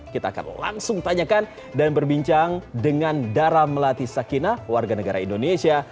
kita akan langsung tanyakan dan berbincang dengan dara melati sakina warga negara indonesia